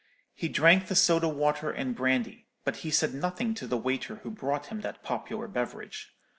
He drank the soda water and brandy; but he said nothing to the waiter who brought him that popular beverage.